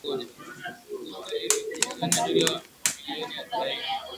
Uganda ilikusanya dola milioni arobaine